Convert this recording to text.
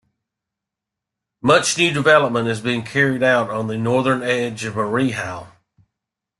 Much new development is being carried out on the northern edge of Mairehau.